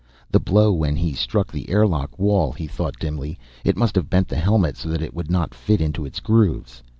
The blow when he struck the airlock wall, he thought dimly it must have bent the helmet so that it would not fit into its grooves.